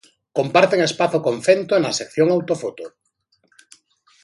Comparten espazo con Fento na sección Autofoto.